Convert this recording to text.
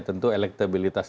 ya tentu elektabilitas